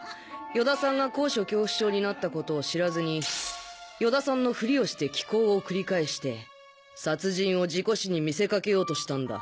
与田さんが高所恐怖症になったことを知らずに与田さんのフリをして奇行を繰り返して殺人を事故死に見せかけようとしたんだ。